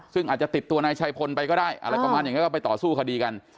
ซึ่งอาจจะติดตัวนายชัยพลไปก็ได้อะไรประมาณอย่างนี้ก็ไปต่อสู้คดีกัน